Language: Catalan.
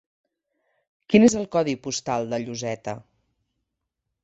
Quin és el codi postal de Lloseta?